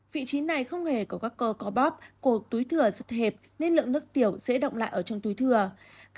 vị trí này không hề có các cơ có bóp cổ túi thừa rất hẹp nên lượng nước tiểu sẽ động lại ở trong túi thừa